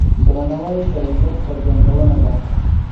درناوی د عزت څرګندونه ده.